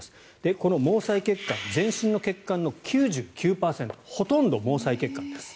この毛細血管全身の血管の９９％ほとんど毛細血管です。